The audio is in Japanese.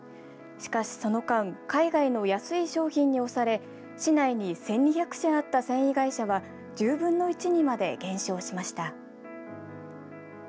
しかし、その間海外の安い商品に押され市内に１２００社あった繊維会社は１０分の１にまで減少しました。